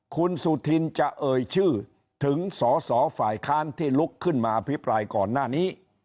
คุณสุธินจะเอ่ยชื่อถึงสอสอฝ่ายค้านที่ลุกขึ้นมาอภิปรายก่อนหน้านี้